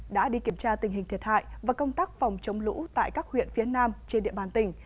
đã đi kiểm tra tình hình thiệt hại và công tác phòng chống lũ tại các huyện phía nam trên địa bàn tỉnh